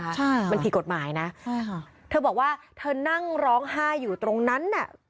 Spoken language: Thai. ใช่มันผิดกฎหมายนะใช่ค่ะเธอบอกว่าเธอนั่งร้องไห้อยู่ตรงนั้นน่ะ